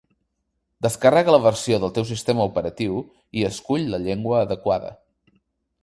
Descarrega la versió del teu sistema operatiu i escull la llengua adequada.